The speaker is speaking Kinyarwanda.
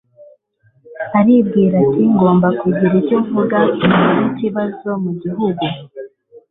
aribwira ati ngomba kugira icyivugo n'ikuzo mu gihugu